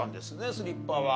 スリッパは。